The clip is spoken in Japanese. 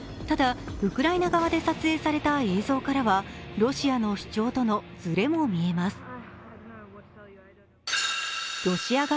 ただ、ウクライナ側で撮影された映像からはロシアの主張とずれも見えます。